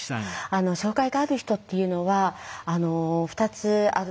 障害がある人っていうのは２つあると思うんです。